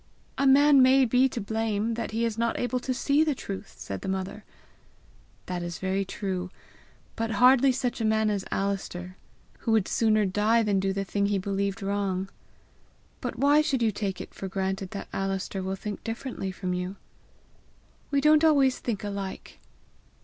"A man may be to blame that he is not able to see the truth," said the mother. "That is very true, but hardly such a man as Alister, who would sooner die than do the thing he believed wrong. But why should you take it for granted that Alister will think differently from you?" "We don't always think alike."